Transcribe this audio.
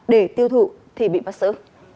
để tiêu thụ thì bị bắt xử